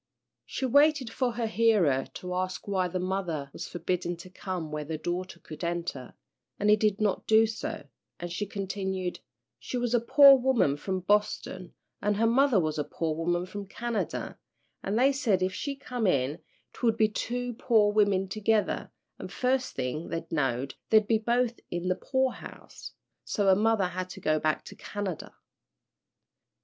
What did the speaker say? She waited for her hearer to ask why the mother was forbidden to come where the daughter could enter, but he did not do so, and she continued, "She was a poor woman from Boston, an' her mother was a poor woman from Canada, an' they said if she come in 'twould be two poor women together, an' first thing they knowed they'd be both in the poorhouse. So her mother had to go back to Canada."